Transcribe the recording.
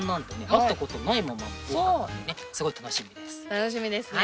楽しみですね。